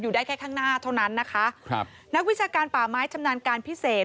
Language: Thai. ได้แค่ข้างหน้าเท่านั้นนะคะครับนักวิชาการป่าไม้ชำนาญการพิเศษ